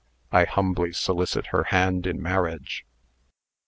I humbly solicit her hand in marriage."